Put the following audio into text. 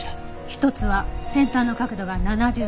一つは先端の角度が７０度程度。